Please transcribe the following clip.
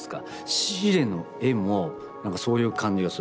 シーレの絵もなんかそういう感じがする。